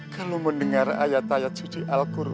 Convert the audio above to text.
kalau mendengar ayat ayat suci al quran